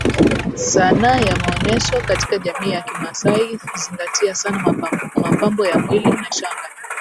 Sanaa ya maonesho katika jamii ya kiamasai huzingatia sana mapambo ya mwili na shanga